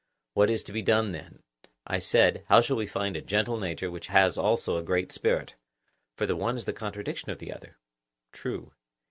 What is to be done then? I said; how shall we find a gentle nature which has also a great spirit, for the one is the contradiction of the other? True.